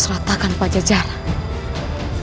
dan aku tidak akan menyesakan manusia yang hidup